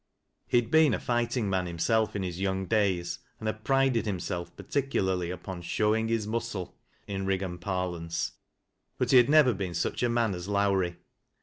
He had been a fighting man himself in his young days, and had prided himself particularly upon " showing hip muscle," in Eiggan parlance, but he had never been such a man as Lowrie.